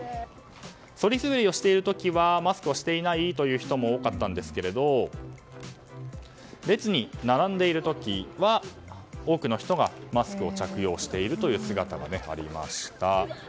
そり滑りをしている時はマスクをしていないという人も多かったんですけれど列に並んでいる時は多くの人がマスクを着用している姿がありました。